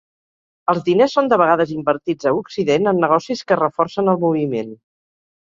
Els diners són de vegades invertits a Occident en negocis que reforcen el moviment.